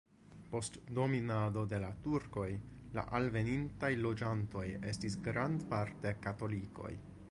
Post dominado de turkoj la alvenintaj loĝantoj estis grandparte katolikoj.